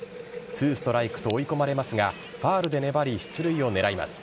２ストライクと追い込まれますがファウルで粘り、出塁を狙います。